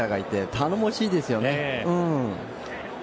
頼もしいですよ。